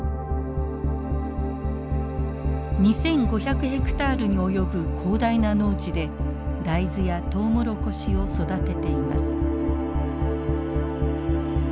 ２，５００ヘクタールに及ぶ広大な農地で大豆やトウモロコシを育てています。